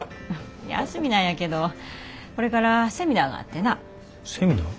休みなんやけどこれからセミナーがあってな。セミナー？